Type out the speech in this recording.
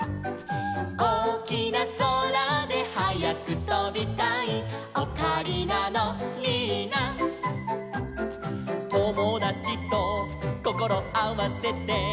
「おおきなそらではやくとびたい」「オカリナのリーナ」「ともだちとこころあわせて」